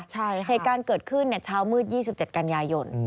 เหตุการณ์เกิดขึ้นเช้ามืด๒๗กันยายน